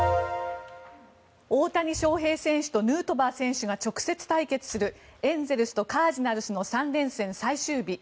大谷翔平選手とヌートバー選手が直接対決するエンゼルスとカージナルスの３連戦最終日。